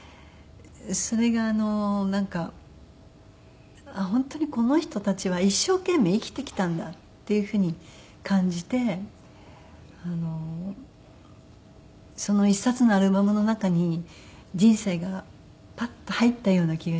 それがなんか本当にこの人たちは一生懸命生きてきたんだっていう風に感じてその１冊のアルバムの中に人生がパッと入ったような気がして。